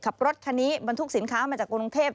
ขับรถคันนี้บรรทุกสินค้ามาจากกรุงเทพ